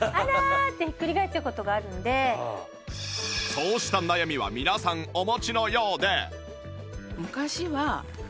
そうした悩みは皆さんお持ちのようで